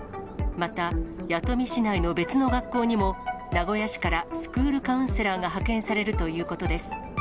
また、弥富市内の別の学校にも、名古屋市からスクールカウンセラーが派遣されるということです。